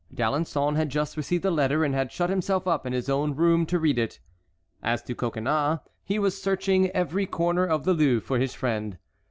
D'Alençon had just received a letter and had shut himself up in his own room to read it. As to Coconnas, he was searching every corner of the Louvre for his friend.